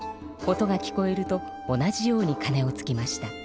音が聞こえると同じようにかねをつきました。